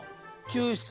救出！